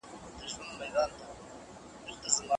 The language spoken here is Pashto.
هغه وویل چي جغرافیه هم په دې ډله کي راځي.